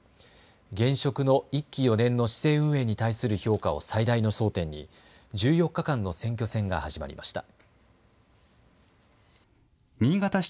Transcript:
現職の１期４年の市政運営に対する評価を最大の争点に１４日間の選挙戦が始まりました。